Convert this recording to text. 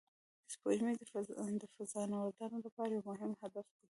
سپوږمۍ د فضانوردانو لپاره یو مهم هدف و